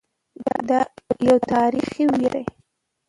دا یو تاریخي ویاړ دی.